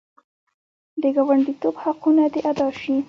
د ګاونډیتوب حقونه دې ادا شي.